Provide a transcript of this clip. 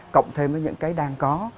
cộng thêm với những cái đang có